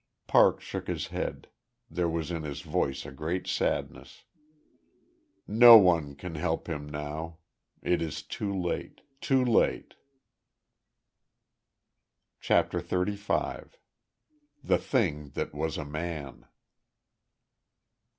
Parks shook his head; there was in his voice a great sadness. "No one can help him now. It is too late.... Too late." CHAPTER THIRTY FIVE. THE THING THAT WAS A MAN.